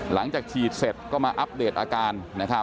หลังจากฉีดเสร็จก็มาอัปเดตอาการ